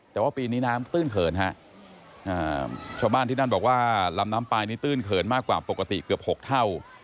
แต่ว่าปีนี้น้ำตื้นเขินฮะชาวบ้านที่นั่นบอกว่าลำน้ำปลายนี้ตื้นเขินมากกว่าปกติเกือบ๖เท่า